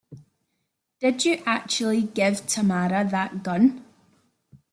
Did you actually give Tamara that gun?